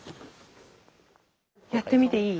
やってみていい？